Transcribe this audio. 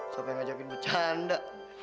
sopeng ngajakin becanda